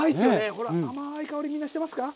ほら甘い香りみんなしてますか？